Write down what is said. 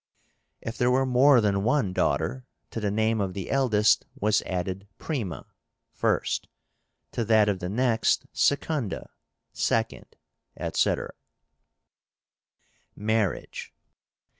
If there were more than one daughter, to the name of the eldest was added prima (first), to that of the next, secunda (second), etc. MARRIAGE.